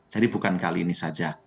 jadi bukan kali ini saja